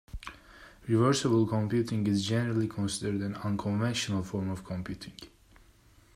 Reversible computing is generally considered an unconventional form of computing.